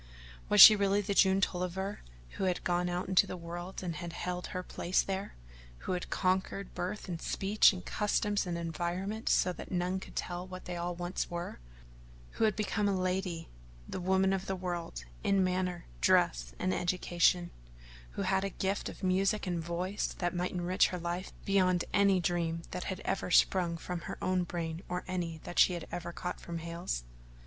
Was she really the June Tolliver who had gone out into the world and had held her place there; who had conquered birth and speech and customs and environment so that none could tell what they all once were; who had become the lady, the woman of the world, in manner, dress, and education: who had a gift of music and a voice that might enrich her life beyond any dream that had ever sprung from her own brain or any that she had ever caught from Hale's?